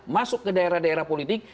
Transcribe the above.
masuk ke daerah daerah politik